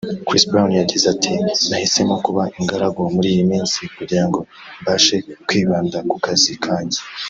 Chris Brown yagize ati “Nahisemo kuba ingaragu muri iyi minsi kugirango mbashe kwibanda ku kazi kanjye